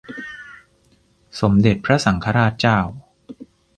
สมเด็จพระสังฆราชเจ้า